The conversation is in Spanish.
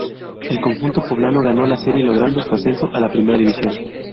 El conjunto poblano ganó la serie logrando su ascenso a la Primera División.